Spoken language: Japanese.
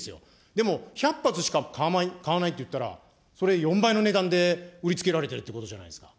でも１００発しか買わないっていったら、それ、４倍の値段で売りつけられてるってことじゃないですか。